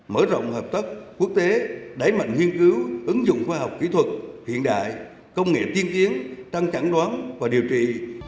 mở rộng hợp tác quốc tế đáy mạnh nghiên cứu ứng dụng khoa học kỹ thuật hiện đại công nghệ tiên kiến tăng chẳng đoán và điều trị